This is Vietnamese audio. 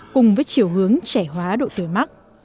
cùng với chiều hướng trẻ hóa độ tuổi mắc